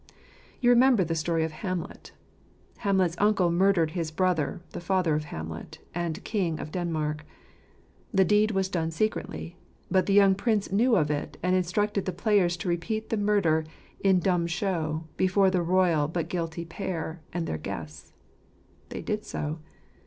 You remember the story of Hamlet. Hamlet's uncle murdered his brother, the father of Hamlet, and King of Denmark. The deed was done secretly ; but the young prince knew of it, and instructed the players to repeat the murder, in dumb show, before the royal but guilty pair, and their guests.. They did so.